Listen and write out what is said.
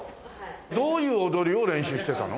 どういう踊りを練習してたの？